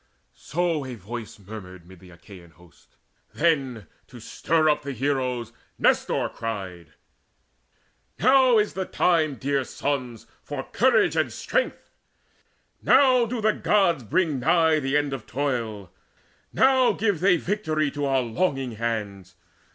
So a voice murmured mid the Achaean host. Then, to stir up the heroes, Nestor cried: "Now is the time, dear sons, for courage and strength: Now do the Gods bring nigh the end of toil: Now give they victory to our longing hands.